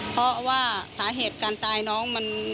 เพราะว่าสาเหตุการตายน้องมัน